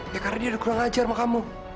ya karena dia udah kurang ajar sama kamu